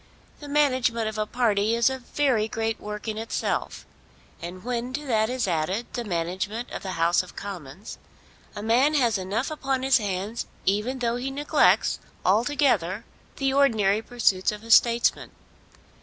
The management of a party is a very great work in itself; and when to that is added the management of the House of Commons, a man has enough upon his hands even though he neglects altogether the ordinary pursuits of a Statesman.